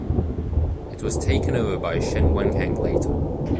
It was taken over by Chen Wenheng later.